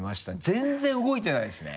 全然動いてないですね。